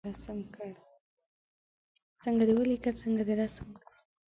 څنګه دې ولیکه څنګه دې رسم کړ.